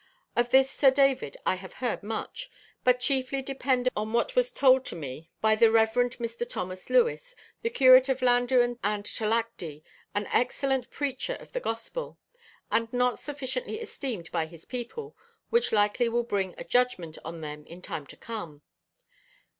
Of this Sir David I have heard much, but chiefly depend upon what was told to me by the Rev. Mr. Thomas Lewis, the curate of Landdw and Tolachdy, an excellent preacher of the gospel; and not sufficiently esteemed by his people, (which likely will bring a judgment on them in time to come.)